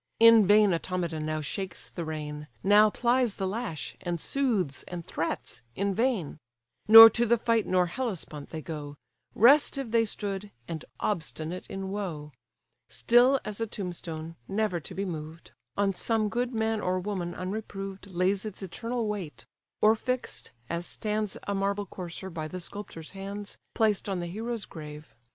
In vain Automedon now shakes the rein, Now plies the lash, and soothes and threats in vain; Nor to the fight nor Hellespont they go, Restive they stood, and obstinate in woe: Still as a tombstone, never to be moved, On some good man or woman unreproved Lays its eternal weight; or fix'd, as stands A marble courser by the sculptor's hands, Placed on the hero's grave.